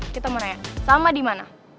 kita mau nanya sama di mana